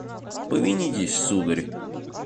Повинитесь, сударь.